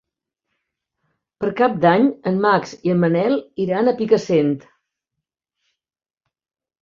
Per Cap d'Any en Max i en Manel iran a Picassent.